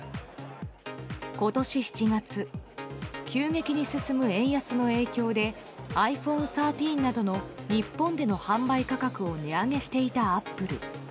今年７月急激に進む円安の影響でｉＰｈｏｎｅ１３などの日本での販売価格を値上げしていたアップル。